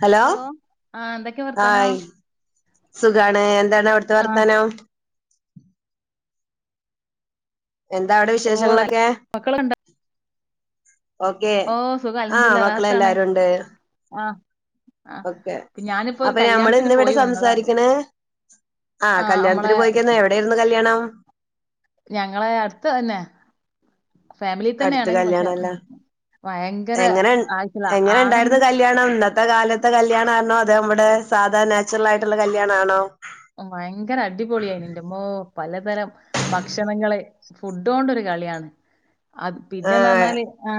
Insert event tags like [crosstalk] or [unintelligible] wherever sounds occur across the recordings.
Hello, ആഹ് എന്തൊക്കെ വർത്താനം ആയ് സുഖാണ്, എന്താണ് അവിടുത്തെ ആഹ് വർത്താനം. എന്താ, അവിടെ ഓ നല്ല വിശേഷങ്ങളൊക്കെ? മക്കളുണ്ടോ ഓക്കെ, ഓ സുഖം ആ അൽഹംദുലില്ലാ റാഹത്താണ് മകള്ളാലരുണ്ട്. ആഹ് ഓക്കെ, ആഹ് ഞാനിപ്പോ ഒരു അപ്പൊ നമ്മള് കല്യാണത്തിന് ഇന്ന് ഇവിടെ പോയി വന്നതാ സംസാരിക്ക്ണ് ആ, ആഹ് നമ്മളെ കല്യാണത്തിന് പൊയ്ക്കാന് എവിടൊയിരുന്നു കല്യാണം. ഞങ്ങളെ, അടുത്തന്നെ അടുത്ത് കല്യാണല്ലേ. ഭയങ്കര എങ്ങനെ, ആയിട്ടുള്ള എങ്ങനെ ആഡംബ ഇണ്ടായിരുന്നു കല്യാണം. ഇന്നത്തെ കാലത്തെ കല്യാണണോ അതോ നമ്മുടെ, സാധാരണ നാച്ചുറൽ ആയിട്ടുള്ള കല്യാണണോ ഭയങ്കര അടിപൊളിയയിന്ന് ന്റമ്മോ പലതരം, ഭക്ഷണങ്ങള് ഫുഡോണ്ടൊരു കളിയാണ്. അത്, പിന്നെന്ന് ആഹ് പറഞ്ഞാല് ആ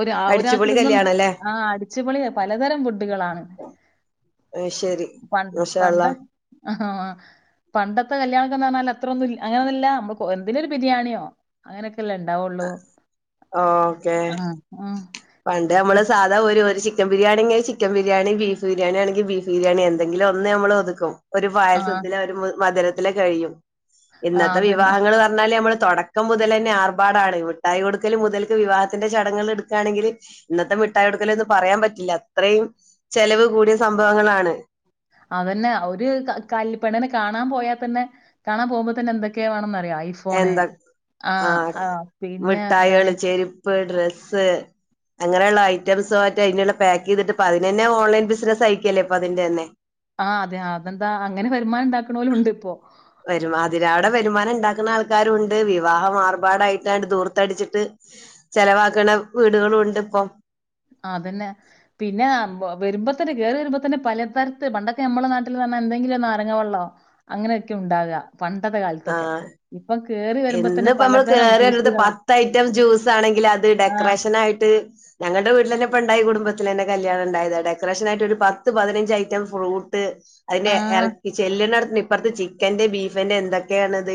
ഒര് ആ ഒരാൾക്ക് അടിച്ചുപൊളി തിന്നും കല്യാണം അല്ലേ ആ അടിച്ചുപൊളിയാ പലതരം ഫുഡുകളാണ്. ആയിശ്ശേരി, മാഷാഅള്ഹ. അഹ പണ്ടത്തെ കല്യാണക്കെ, എന്ന് പറഞ്ഞാൽ ആത്രെന്നുല്ല, അങ്ങനെന്നുല്ല നമ്മക്, എന്തേലും ഒരു ബിരിയാണിയോ അങ്ങനൊക്കെ, ല്ലേ, ഇണ്ടാവുള്ളൂ ഓക്കെ ഇണ്ടാവോള്ളു ആ മം. പണ്ട് നമ്മള് സാധാ ഒരു- ചിക്ക ബിരിയാണി ചിക്കൻ ബിരിയാണി ബീഫ് ബിരിയാണിണെങ്കിൽ ബീഫ് ബിരിയാണി എന്തങ്കിലും ഒന്ന് നമ്മൾ ഒതുക്കും. ഒരു ആഹ് പായസത്തില ഒരു മധുരത്തില കഴിയും ആഹ് ഇന്നത്തെ അതന്നെ വിവാഹങ്ങൾ പറഞ്ഞാല് നമ്മള്- തുടക്കം മുതൽ തന്നെ ആർഭാടാണ് മിട്ടായി കൊടുക്കൽ മുതൽക്ക് വിവാഹത്തിന്റെ ചടങ്ങൾ എടുക്കുകയാണെങ്കിൽ- ഇന്നത്തെ മിഠായി എടുക്കല ഒന്നും പറയാൻ പറ്റില്ല അത്രയും ചെലവ് കൂടിയ സംഭവങ്ങളാണ്. അതന്നെ ഒരു കല്യാണപെണ്ണിനെ കാണാൻ പോയാൽ തന്നെ കാണാൻ പോകുമ്പോ തന്നെ എന്തൊക്കെയാ വേണന്നറിയുന്നോ? ഐഫോണ് എന്താ ആ ആ പിന്നെ എന്താണ്? ചേരുപ്പ് ഡ്രസ്. അങ്ങനെള ഐറ്റംസൊക്കെ ഇട്ട് പാകയ്തിട്ട് അതിനാന്നെ ഓൺലൈൻ ബിസിനസാക്കിക്കല്ല ഇപ്പതിന്റെ ത്. ആഹ് അതെ അതെന്താ അങ്ങനെ വരുമാനം ഉണ്ടാക്കണോലും ഉണ്ട് ഇപ്പോ. വരു അതിവിടെ വരുമാനം ഉണ്ടാക്കുന്ന ആൾ- ക്കരുണ്ട് വിവാഹം ആർഭാടായിട്ട് ദൂർത്തടിച്ചിട്ട് ചെലവാക്കണ വീടുകളുണ്ട് ഇപ്പൊ. അതന്നെ പിന്നെ വരുമ്പോ- എപ്പോ കേറി വരുമ്പോ തന്നെ പലതരത്തില് പണ്ടൊക്കെ നമ്മെ നാട്ടിൽ വന്നാ എന്തെങ്കിലും ഒരു നാരങ്ങ വെള്ളോ അങ്ങനെയൊക്കെ ഉണ്ടാവുക. പണ്ടത്തെ കാലത്തൊക്കെ ആഹ് ഇപ്പൊ കേറി വരുമ്പോ തന്നെ ഇന്നിപ്പോ നമ്മള് പലതരം കേറി വരുന്നത് ജ്യൂസുകളാണ്. പത്ത് ഐറ്റം ജ്യൂസ് ആണെങ്കിൽ അത് ഡെക്കറേഷൻ ആയിട്ട് ഞങ്ങടെ. ലെന്നെപ്പ ഉണ്ടായി കുടുംബത്തിന്നെ കല്യാണം ഉണ്ടായത് ഡെക്കറേഷൻ ആയിട്ട് ഒരു പത്ത് പതിനഞ്ച് ഐറ്റം ഫ്രൂട്ട്. അതിന്റെ ആഹ് ഇറി ചെല്ല നട ഇപ്പറത്തെ ചിക്കന്റെറെ ബീഫിന്റെ എന്തൊക്കെയാാണ്ത്.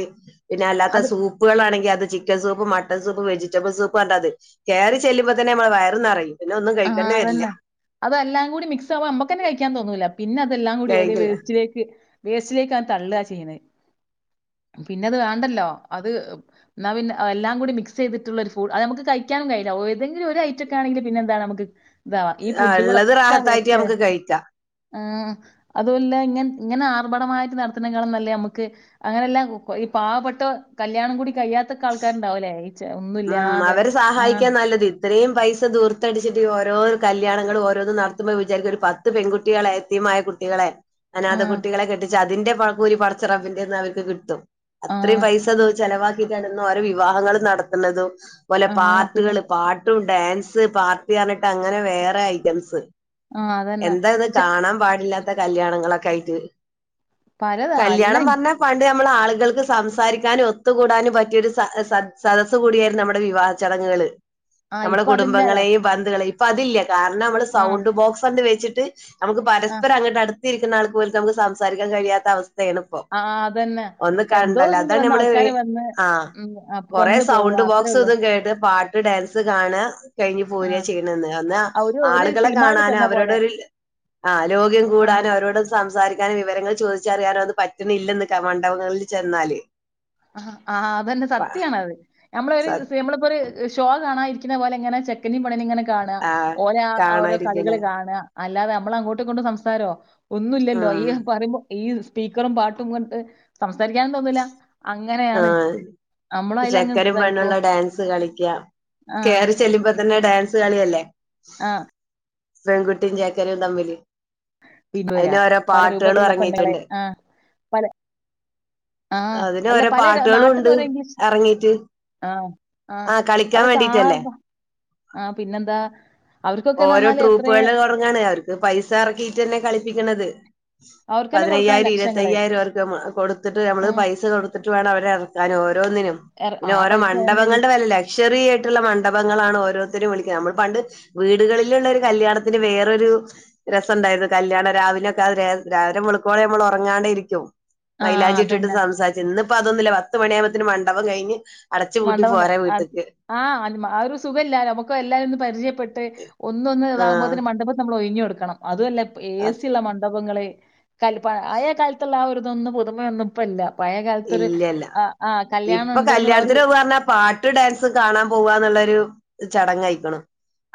പിന്നെ അല്ലാത്ത അത് സൂപ്പുകളൾണെങ്കിൽ അ- ത് ചിക്കൻ സൂപ്പും മട്ടൺ സൂപ്പും വെജിറ്റബിൾ സൂപ്പ് കണ്ടത് കയറി ചെല്ലുമ്പോ തന്നെ നമ്മൾ വയറന്ന്റയും. ആഹ് അതന്നെ അതെല്ലാം കൂടി മിക്സ് ആവാ നമ്മക്കന്നെ കഴിക്കാൻ തോന്നൂല. പിന്നെ അതെല്ലാം കൂടി ഓലെ കഴിക്കില്ല വേസ്റ്റിലേക്ക് വേസ്റ്റിലേക്കാണ് തള്ളുക ചെയ്യണുന്നത്. പിന്നെത് വേണ്ടല്ലോ അത് എന്നാ പിന്ന എല്ലാം കൂടി മിക്സ് ചെയ്തിട്ടുള്ള ഒരു ഫുഡ് അത് നമുക്ക് കഴിക്കാനും കഴിയില്ല. ഓഏതെങ്കിലും ഒരു ഐറ്റക്ക ആണെങ്കിൽ പിന്നെന്താണ് നമുക്ക്- ഇതാവാ ഈ ആഹ് ഇള്ളത് ഫുഡുകളൊക്കെ റാഹത്തായിട്ട് വേസ്റ്റ്- നമുക്ക് കഴിക്കാം ആ അതല്ല ഇങ്ങ ഇങ്ങനെ ആർഭാടമായിട്ട് നടത്തണം കാണല്ലേ നമുക്ക് അങ്ങനെല്ല പാവപെട്ട കല്യാണം കൂടി കയാത്തക്ക ആൾക്കാരുണ്ടാവലേ ആ ഉം അവര് സഹായിക്കാ നല്ലത് ഇത്രയും പൈസ ദൂർത്തടിച്ചിട്ട് ഓരോ ഓരോ കല്യാണങ്ങളും ഓരോന്നും നടത്തുമ്പോ വിചാരിക്കും ഒരു പത്ത് പെൺകുട്ടികളെ എത്തിമായ കുട്ടികളെ അനാഥ ആഹ് കുട്ടികളെ കെട്ടിച്ച് അതിന്റെ കൂലി പടച്ചറപ്പിന്റെന്ന് അവർക്ക് കിട്ടും അത്രയും ആഹ് പൈസതോ ചെലവാക്കിയിട്ടാണ് ഇന്ന് ഓരോ വിവാഹങ്ങും നടത്തുന്നത അതുപോലെ ആഹ് പിന്നെ പാട്ടുകള് പാട്ടും ഡാൻസ് പാർട്ടി പറഞ്ഞിട്ട് അങ്ങനെ വേറെ ഐറ്റംസ് ആഹ് അതന്നെ എന്താ ഇത് പക്ഷെ കാണാന് പാടില്ലാത്ത കല്യാണങ്ങളൊക്കെ ആയിട്ട് പലതാ അല്ല കല്ല്യാണം പറഞ്ഞ പണ്ട് നമ്മള ആളുക ആളുകൾക്ക് സംസാരിക്കാനും ഒത്തുകൂടാനും പറ്റിയൊരു സദസ്സ് കൂടിയായിരുന്നു നമ്മുടെ വിവാഹ ചടങ്ങുകൾ ആഹ് നമ്മുടെ ഇപ്പൊ അതില്ലാലോ കുടുംബങ്ങളെയും ബന്ധുക്കളെയും ഇപ്പൊ അതില്ല കാരണം നമ്മള് ആഹ് സൗണ്ട് ബോക്സ് കണ്ട് വെച്ചിട്ട് നമുക്ക് ആഹ് പരസ്പരം അങ്ങട്ട് അടുത്ത് അടുത്തിരിക്കുന്ന ആൾകൾക്ക് പോലും നമുക്ക് പരസ്പരം സംസാരിക്കാൻ കഴിയാത്ത അവസ്ഥ അങ്ങനെ യാണ് ഇപ്പൊ ആഹ് അതന്നെ ഒന്ന് എന്തോ കണ്ടല്ലോ ഒരിതില് അതാണ് വന്ന് നമ്മള് ആൾക്കാര് വന്ന് ആ ഉം അ കൊറ വന്ന് പോവാ സൗണ്ട് അത്രേ ബോക്സ് ഉള്ളൂ ഇതും കേട്ട് പാട്ട് ഡാൻസ് കാണാ കഴിഞ്ഞു പോരയ ആഹ് ചെയ്യണന്ന് അന്നാ ഒരു ഒരു ആളുകളെ സിനിമാളില് കാണാന ചെന്ന അവരോട പോലെ ഒരു ആ ലോഹ്യം ആഹ് കൂടാനും അവരോട സംസാരിക്ക വിവരങ്ങൾ ചോദിച്ചറിയാനോ അത് പറ്റണില്ലെന്ന് മണ്ഡപങ്ങളിൽ ചെന്നാല് ആ ആ് അതന്നെ സത്യണത് നമ്മളൊ ഒരു നമ്മളിപ്പോ ഒരു ഷോ കാണാ ഇരിക്കുന്ന പോലെ എങ്ങനെ ചെക്കന പണിനും ഇങ്ങനെ കാണുക ആ ഓരോ ഓരോ കളികൾ കാണാതിരിക്കണ് കാണ അല്ലാതെ നമ്മള അങ്ങോട്ടേ കൊണ്ട് സംസാരമോ ഒന്നും ഇല്ലല്ലോ ഉം ഈ പറുമ്പോ ഈ സ്പീക്കറും പാട്ടും അങ്ങട്ട് സംസാരിക്കാനും തോന്നില്ല ആ അയിലങ്ങ് ചെക്കനും പെണ്ണുള്ള ഇതായിപ്പോവും. ഡാൻസ് കളിക്കാ- കേയറി ചെല്ലുമ്പോ തന്നെ ഡാൻസ് കളിയല്ലേ- ആ പെൺകുട്ടിയും ചെക്കനും തമ്മില് അതിന് [unintelligible] ഓരോ പല പാട്ടുകളും രൂപത്തിലുള്ള പെണ്ണകളെ ഇറങ്ങിയിട്ടുണ്ട് ആഹ്. ആഹ് അതിന് അല്ല ഓരോ പല പാട്ടുകളും നാട്ടന്ന് ഉണ്ട് ഓര് എൻഗേജ് ഇറങ്ങീട്ട് ആഹ് ആഹ് ആ കളിക്കാൻ അതൊക്കെ വേണ്ടിട്ടല്ലേ ആർഭാ ആഹ് പിന്നെന്താ? അവർക്കൊക്കെന്ന് ഓരോ പറഞ്ഞാല് എത്രേ ട്രൂപ്പുകൾ ഒറങ്ങാണ് അവർക്ക് പൈസ ഇറക്കിട്ട് അന്നെ കളിപ്പിക്കണത്. അവർക്കന്നെ കൊടുക്കണം പതിനയ്യായിരം ലക്ഷങ്ങള്. ഇരുവത്തയ്യായിരം ഉറുപ്യാ നമ്മ കൊടുത്തിട്ട് നമ്മള് ഉം പൈസ കൊടുത്തിട്ട് വേണം അവരെ അ ക്കാനും ഓരോന്നിനും എർ പിന്നെ ആ ഓരോ പൈസ എന്തെങ്കിലും മണ്ഡപങ്ങളുടെ വെല് ലക്ഷറി ആയിട്ടുള്ള മണ്ഡപ ങ്ങളാണ് ഓരോത്തരും വിളിക്ക്യാ നമ്മള് പണ്ട് വീട്കളില്ള്ളൊരു കല്യാണത്തിന് വേറെരു രസം ഇണ്ടായ്ര്ന്നു കല്യാണം രാവിനൊക്കെ അഹ് രേ രാരമു ങ്ങള് പോയാ നമ്മൾ ഉറങ്ങാണ്ട ഇരിക്കും ആ മൈലാഞ്ചി ഇട്ടിട്ട് അതന്നെ. സംസാരിച്ച് ഇന്ന്പ്പം അതൊന്നുല്ല പത്ത് മണി ആവുമ്പത്തിനും മണ്ഡപം കഴിഞ്ഞ് അടച്ചു പൂട്ടി മണ്ഡപം ക പോരാ അര്ക് വീട്ട്ക്ക് ആഹ് ഒരു സുഖല്ല നമുക്കെല്ലാരുംന്ന് പരിചയപ്പെ വട്‌തെ ഒന്നൊന്ന് ഇതാഉമ്പോത് ആഹ് ന് മഡപം നമ്മൾ ഒഴിഞ് കൊടുക്കണം അതു അല്ല എസി ള്ള മണ്ട പങ്ങളെ കൽ പ ആയേ കാലത്തുള്ള ആ ഒരു ഇതൊന്നും പുതുമയൊന്നും ഇപ്പൊ ഇല്ല പയേ കാൽതൊരു ഇല്ലല്ല ആഹ് ആഹ് കല്യാണം ഇപ്പൊ കല്യാണത്തിന് ണ്ട്ന്ന് [unintelligible] പോവാ പറഞ്ഞാ പാട്ട് ഡാൻസും കാണാൻ പോവാന്നുള്ളൊരു ചടങ്ങായിരിക്കുന്നു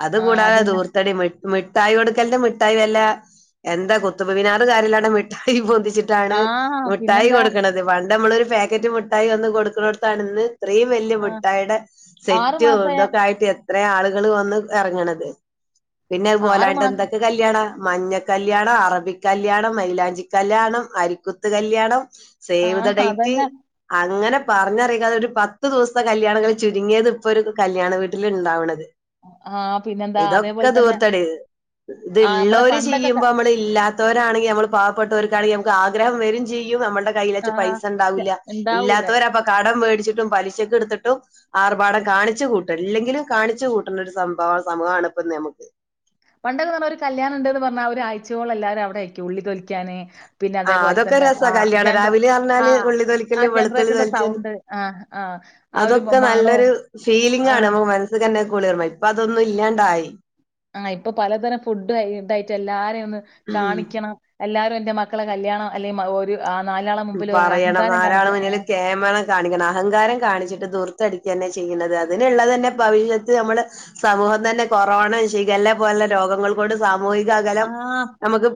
അത് ആ കൂടാതെ അതന്നെ ദൂർത്തടി മു മിഠായി കൊടുക്കൽന്റെ മിഠായി വല്ല എന്താ ഖുതുബ് മിനാർ കാര്യല്ലാതെ മിഠായി പൊന്തി ച് ചിട്ടാണ് ആ മിഠായി പിന്നെന്താ കൊടുക്കണത് പണ്ടമ്മള് ഒരു പാക്കറ്റ് മിഠായി ഒന്ന് കൊടുക്കുന്ന ഇടത്താണ് ഇന്ന് ത്രീം വല്യ ആ, മിട്ടായിയുടെ ആറ് സെറ്റ് മാസമായ ഇതൊക്കെ ആയിട്ട് ത്രേ ആളുകള് വന്ന് ഇറങ്ങണത് പിന്നെ അഹ് ആറ് മാസം പോലായ്ട്ടെന്തൊക്കെ കല്യാണ മഞ്ഞ കല്യാണം അറബിക്കല്ല്യാണം മൈലാഞ്ചി കല്ല്യാണം അരിക്കുത്ത് കല്ല്യാണം ആ സേവ് ദ ഡേറ്റ് അതന്നെ അ അങ്ങനെ പറഞ്ഞറികാതെ ഒരു പത്ത് ദിവസത്തെ കല്യാണങ്ങൾ ചുരുങ്ങിയത് ഇപ്പോ ഒരു കല്യാണ വീട്ടില് ണ്ടാവ്ണത് ആ പിന്നെന്താ ഇതൊക്കെ അതേപോലെ തന്നെ ദൂർത്തടി. ആ നമ്മളെ ഇത്ള്ളൊരു പണ്ടൊക്കെ ക- ചെയ്യുമ്പോ മ്മള് ല്ലാത് ത്തോരാണെങ്കി അമ്മള് പാവപ്പെട്ടവർക്കാണെങ്കി നമക്ക് ആഗ്രഹം വരും ചെയ്യും നമ്മുൾടെ ആ പൈസണ്ടാവില്ല ഉണ്ടാവൂല ഇല്ലാത്തവരപ്പൊ കടം മേടിച്ചി ട്ടും പലിശക്കെടുത്തിട്ടും ആർഭാടം കാണിച്ചു കൂട്ടും ല്ലെങ്കിലും കാണിച്ചു കൂട്ടണ ഒരു സംഭവം സമൂഹാണ് പ്പൊ നമുക്ക്. പണ്ടൊകെന്നർഞ്ഞ ഒരു കല്യാണണ്ടന്ന് പറഞ്ഞാ ഒരാഴ്ച്ചോളാം ല്ലാവരും അവിടെയക്കും ഉള്ളി തൊലിക്കാന്. പിന്നെ ആ അതേപോലെ അതൊക്കെ തന്നെ രസാ ആ ജനറ ആ കല്ല്യാണരാവിലെറഞ്ഞാല് ഉള്ളി ആ തോലിക്കലു വെളുത്തുള്ളി ജനറേറ്ററിന്റെ തോലിച്ച സൗണ്ട് ആ ആ ആ ഒരു അതൊക്കെ മണവും നല്ലൊരു ആ ഫീലിംങ്ങാണ് മ്മളെ മനസ്ക്ക് ന്നെ. കുളിർമേ ഇപ്പൊ അതൊന്നും ഇല്ലാണ്ടായി. ആ ഇപ്പൊ പലതരംഫുടുവയ് ഇതായിട്ട് എല്ലാരെന്ന് ഉം കാണിക്കണം എല്ലാരും ന്റെ മക്കളെ കല്യാണം അല്ലെമ ഓര്. പറയണം നാലാളെ മുന്നില് കേമളം കാണിക്കണം അഹങ്കാരം കാണിച്ചിട്ട് ദുർ ത്തടിക്കല്ലേ ചെയ്യുണത് അതിനുള്ള തെന്നെ ഭവിഷ്യത്ത് നമ്മള് സമൂഹം തന്നെ കൊറോണം ഷിഗല്ലേ പോലെ ലോഗങ്ങൾക്കൊണ്ട് സാ മൂഹിക ആ അകലം നമുക്ക്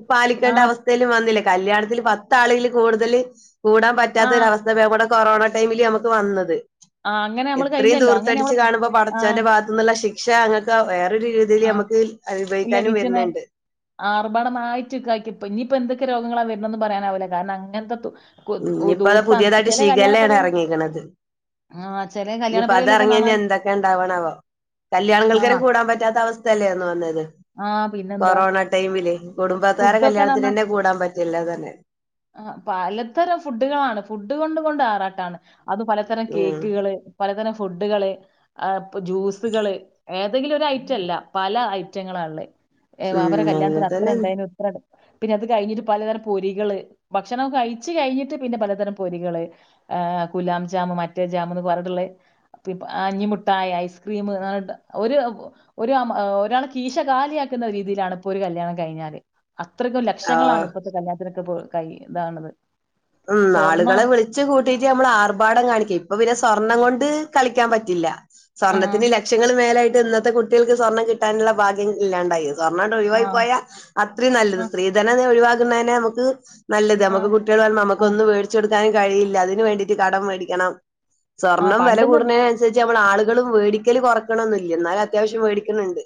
ആ പാലിക്കേണ്ട അവസ്ഥേല് വന്നില്ലേ കല്യാണത്തില് പത്താളില് കൂടുതല്. കൂടാൻ ആ പറ്റാത്ത ഒരവസ്ഥ വേ വടെ കൊറോണ ടൈമില് നമക്ക് വന്നത്. ആ അങ്ങനെ നമ്മള് എത്രയും കഴിഞ്ഞല്ലോ അങ്ങനെ ദൂർത്തടിച്ച് നമ്മള് കാണുമ്പോ ആ പടച്ചോന്റെ ഭാഗത്തുന്നുള്ള ശിക്ഷ അങ്ങക്ക വേറൊരു രീതിയിൽ ആ നമുക്ക് അനുഭവിക്കാനും വരുണ് ണ്ട്. ആർഭാടമായിറ്റ് ക്കയ്ക്പ്പ ഞ്പ്പോ ന്തൊക്കെ രോഗങ്ങളാ വരണന്ന് പറയാനാവില്ല കാരണം അങ്ങനത്തെ തു- കൊ ഓ ഇനിയിപ്പോ അത് ദോർത്താന്ന പുതിയതായിട്ട് ചെലേ കല്യാണ ഷിഗല്ലയാണ് പേരന്ന് നിപ്പോ അതെറങ്ങ്യ ന്നെ എന്തൊക്കെ ഉണ്ടാവണാവോ കല്യാണങ്ങൾക്കെന്നെ ആഹ് കൂടാൻ പറ്റാത്ത അവസ്-. തല്ലെർന്നോ വന്നത് ആഹ് പിന്നെന്താ കൊറോണ ടൈമില് കുടുംബക്കാരെ കല്യാണത്തിനെന്നെ കൂടാൻ പറ്റ തെല്ലാ തന്നെ. ആ പലതരം ഫുഡുകളാണ് ഫുഡ് കൊണ്ട് കൊണ്ട് ആറാട്ടാണ്. അത് പലതരം ഉം കേക്കുകള് പലതരം. ഫുഡുകള് ആ പ്പോ ജ്യൂസുകള് ഏതെങ്കിലൊരു ഐറ്റല്ല, പല ഐറ്റങ്ങളാള്ളേ. ഏ വാമ്പര ഉം അങ്ങനെ കല്യാണത്തിന് തന്നെ അത്രണ്ടെനു ഇത്രണ്ട് പിന്നെ അത് കഴിഞ്ഞിട്ട് പലതരം പൊരികള്. ഭക്ഷണം കഴിച്ച് കഴിഞ്ഞിട്ട് പിന്നെ പലതരം പൊരികള് ആ കുലാം ജാം മറ്റേ ജാമന്ന് പറഞ്ഞിട്ട് ള്ളെ ഏ പി അഞ്ഞിമുട്ടായി ഐസ്ക്രീമ്ന്നർഞ്ഞിട്ട് ഓരു ഓരമ്മ ഒരാളെ കീഷേ കാലിയാക്കുന്ന രീതിയിലാണ് ഇപ്പൊ ഒരു കല്യാണം കഴിഞ്ഞാല്. അത്രയ്ക്കും ലക്ഷങ്ങളാണ് ആഹ് ഇപ്പത്തെ കല്യാണത്തിനൊക്കെപ്പോ കൈ ഇതാണത്. ഉം സ്വർണ്ണ ആളുകളെ വിളിച്ച് കൂട്ടിട്ട് നമ്മള് ആർഭാടം കാണിക്കെ ഇപ്പ പിന്നെ സ്വർണം കൊണ്ട് കളി ക്കാംപറ്റില്ല ആഹ് സ്വർണത്തിന് ലക്ഷങ്ങള് മേലേയ് ട്ട് ഇന്നത്തെ കുട്ടിൾക്ക് സ്വർണ്ണം കിട്ടാനുള്ള ഭാഗ്യം ഇല്ലാണ്ടായി. സ്വർണാണ്ട് ആഹ് ഒഴിവായിപോയാ അത്രേം നല്ലത്. ആഹ് സ്ത്രീധന ഒഴിവാക്കുന്നതിന് നമുക്ക്. നല്ലത് നമ്മുക്ക് ആഹ് കുട്ടികൾ വളമ്പ ആഹ് നമുക്കോന്നും വേടിച്ച് കൊടുക്കാനും കഴിയില്ലാ അതിന് വേണ്ടിയിട്ട് കടംവേടിക്കണം. ആഹ് സ്വർണം വെല പണ്ട്ന്ന് കൂടുന്നേ നനുസരിച്ച് നമ്മൾ ആളുകളും വേടിക്കല് കുറക്കണോന്നും ല്ല്യ ന്നാലും അത്യാവശ്യം വേടിക്കുന്നുണ്ട്.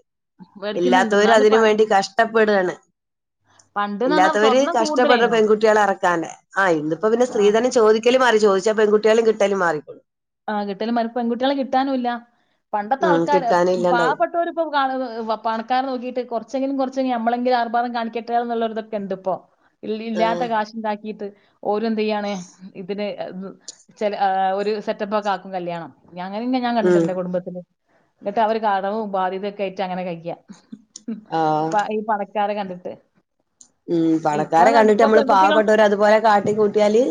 മേടിക്കുന്നുണ്ട് ഇല്ലാത്തവരു എന്നാലും അതിനും വേണ്ടി കഷ്ടപ്പെടാണ്. പണ്ട്ന്ന് പറഞ്ഞാ ഇല്ലാത്തവര് സ്വർണ്ണം കഷ്ടപ്പെടുണ കൂടുതലേനോ പെൺകുട്ടികളെ ഇറ താണ് ആ ഇന്ന് പ്പോ പിന്നെ ആഹ് സ്ത്രീധനം ചോദിക്കല് മാറി ചോദിച്ചാ പെൺകുട്ട്യാളെ കിട്ടലും മാറി. ആ കിട്ടല മാ പെൺകുട്ടികളെ കിട്ടാനുംല്ല. പണ്ടത്തെ ഉം ആൾക്കാര് കിട്ടാനും ഇല്ലാണ്ടായി പാവപ്പെട്ടവർപ്പൊ കാണ്‌ പണക്കാരെ നോക്കിട്ട് കുറച്ചെങ്കിലും കുറച്ചേ നമ്മളെങ്കില ആ ഭാടം കാണിക്കട്ടെുന്ന്ള്ളൊരുതൊക്കെ ണ്ട് പ്പോ ഇല്ലി ആ ഇല്ല്യാത്ത കാശ്ണ്ടാക്കിയിട്ട്. ഓര്ന്തേയ്യാണ്‌ ഇതിന് അ ചെല ആ ഒരു സെറ്റപ്പോക്കെ ആക്കും കല്യാണം. ഞ്ഞങ്ങനെന്നെ ഞാകണ്ടിട്ട് ഉം ന്റെ കുടുംബത്തില് ന്നിട്ട് അവര് കടവും ബാധ്യതതൊക്കെ ആയിട്ട് അങ്ങനെ കയ്യാ. ആ പാ ഈ പണക്കാരെ കണ്ടിട്ട്. ഉം ഇപ്പൊ പണക്കാരെ ന- കണ്ടിട്ട് ഇപ്പൊ മ്മള് പെൺകുട്ടികൾ പാവപ്പെട്ടോര് അതുപോലെ കാട്ടി കൂട്ടിയാല്.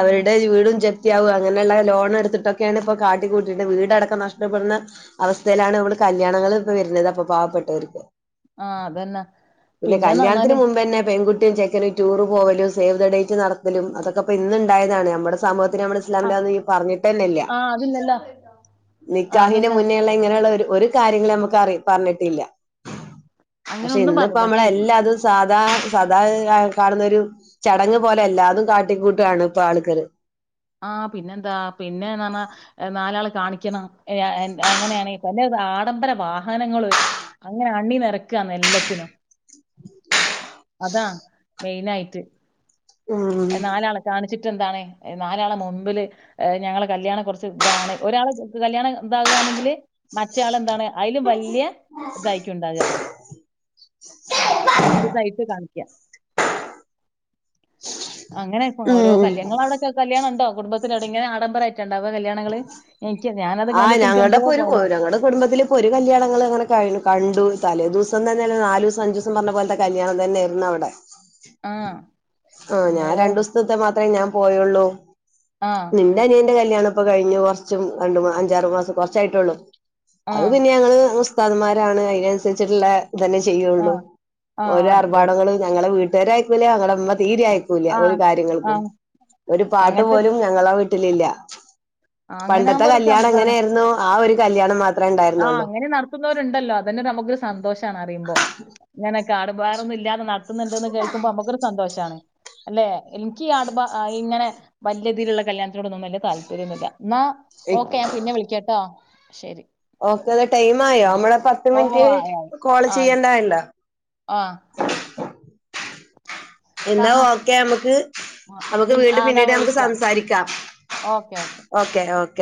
ഉം വീടും ജപ്തിയാകും അങ്ങനെള്ള ലോൺ എടുത്തിട്ടൊക്കെയാണ് ഇപ്പൊകാട്ടികൂട്ടിട്ട് വീടടാക്കം നഷ്ടപ്പെടുന്ന അവസ്ഥയിലാണ് നമ്മള്കല്യാണങ്ങള് പിന്നെ അതപ്പൊ പാവപ്പെട്ടവർക്ക് ആഹ് അതന്നെ പിന്നെ ന്നർഞ അതിന് മുമ്പ്തന്നെപെൺകു ട്ടിം ചെക്കനും ടൂറ് പോവലും സേവ് ദ ഡേറ്റ് നടത്തലും അതൊക്കെ പ്പ ഇന്ന് ണ്ടായതാണ് നമ്മുടെ സമൂഹത് പിന്നെ അമ്മളെ ആഹ് ഇസ്ലാമില്ലങ്ങെനെ പറഞ്ഞിട്ടന്നെല്ല്യ. ആഹ് അതില്ലല്ലോ ആഹ് നിക്കാഹിന് അതന്നെ മുന്നേള്ള ഇങ്ങനെള്ള ഒരു ഒരു കാര്യങ്ങളു നമുക്ക്റി പറഞ്ഞിട്ടില്ല അങ്ങനെ പക്ഷെ ഒന്നും പറഞ്ഞു ഇന്നപ്പോ പക്ഷെ നമ്മള ഈ- എല്ലാതും സാദാ സാദാ കാണുന്ന ഒരു ചടങ്ങ് പോലെ എല്ലാതും കാട്ടിക്കൂട്ടാണ് ഇപ്പൊ ആള്ക്കള് ആഹ് പിന്നെന്താ പിന്നെന്നർഞ നാലാള് കാണിക്കണം എ എ എൻ അങ്ങനെയാണ് [unintelligible] ആഡംബര വാഹനങ്ങള് അങ്ങനെ അണ്ണി നിറക്ക ന്ന് എല്ലത്തിനും അതാ മെയിൻ ആയിട്ട് ഉം നാലാളെ കാണിച്ചിട്ട് എന്താണ് നാലാളെ മുമ്പില് ഞങ്ങളെ കല്യാണ കൊറച്ച് ഇതാണ് ഒരാള് കല്യാണം ഇതാകുകന്നെങ്കില് മറ്റേ ആളെന്താണ് അയിലും വല്യ ഇതായിക്കുണ്ടാക. വല്ല്തായിട്ട് കാണിക്കാ അങ്ങനെ ഇപ്പ ഓരോ ഉം കല്യാങ്ങ നിങ്ങടെ അവിടെക്ക കല്യാണം ഇണ്ടോ കുടുംബത്തിലേടങ്ങനെ ആഡംബരമായിട്ടുണ്ടാവുക കല്യാണങ്ങള് [unintelligible] ആഹ് കണ്ടിട്ട് എനിക്ക് എന്തോ ഞങ്ങളടെപ്പോ പോ- ഒരു ഞങ്ങളടെ കുടുംബത്തില് ഇപ്പോ ഒരു കല്യാണങ്ങള് അങ്ങനെ കഴ് കണ്ടു തലേ ദിസോം തന്നെയല്ല നാല്ദിസോം അഞ്ച്ദിസോം പറഞ്ഞ പോലെത്തെകല്യാണംതന്നെ ആരുന്ന് അവിടെ ആ ആഹ് അമ്മോ ഞാൻ രണ്ടുദിസത്തെത്തെ മാത്രേ ഞാൻപോയോള്ളൂ ആ നിന്റെ അനിയന്റെ കല്യാണ ഇപ്പോ കഴിഞ്ഞു കൊറച്ചും രണ്ടു മൂ അഞ്ചാറു മാസം കൊറച്ചായിട്ടുള്ളൂ ആ അത് പിന്നെ ഞങ്ങള് മുസ്താദ്മാരാണ് അതിനനുസരിച്ചിട്ടുള്ളെ ഇതന്നെ ആ ചെയ്യുള്ളൂ ആ ഓരോ അത് ഉം. ആർഭാടങ്ങള് ഞങ്ങളെ വീട്ടുകാരായിക്കുലേ ഞങ്ങടെ ഇമ്മ തീരെയക്കൂല ആ ഒരു ആ കാര്യങ്ങൾക്കും ഒരു പാട്ട് പോലും ഞങ്ങളാ വീട്ടിലില്ല അങ്ങന പൊർ കല്യാണംഎങ്ങനആായിരുന്നു ആ ഒരു കല്യാണം മാത്രം ആഹ് അങ്ങനെ നടത്തുന്നവരുണ്ടല്ലോ അതന്നെ നമുക്കൊരു സന്തോഷണറിയുമ്പോ ങ്ങനൊ കാടുപാറൊന്നും ഇല്ലാതെ നടത്തുന്നുണ്ട്ന്ന് കേൾക്കുമ്പോ നമുക്കൊരു സന്തോഷമാണ് അല്ലെ എനിക്ക് ഈ ആടുബ ഇങ്ങനെ വലിയ രീതിയിലുള്ള കല്യാണത്തിോടൊന്നും വലിയ താല്പര്യമന്നുമില്ല എന്നാ ഓക്കെ ഞാൻ പിന്നെ വിളിക്കട്ടോ ശരി ഓക്കെ അത് ടൈംആയോ ഉം. നമ്മള ഓ ആയി ആയി ആയി പത്ത്മിനിറ്റ്കോൾചെയ്യണ്ടായിണ്ടോ ആ ഓക്കെ എന്താ ആഹാ ഓക്കെ നമുക്ക് നമക്ക് പിന്നെ ആ വീണ്ടും എന്നാ പിന്നീട് നമുക്ക് വിളിക്കാം സംസാരിക്കാം ഓക്കെ ഓക്കെ